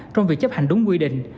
trong việc chấp hành đúng quy định